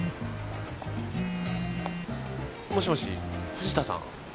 もしもし藤田さん？